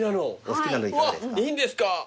うわいいんですか？